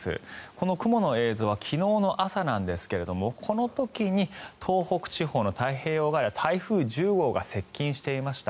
この雲の映像は昨日の朝なんですがこの時に東北地方の太平洋側には台風１０号が接近していました。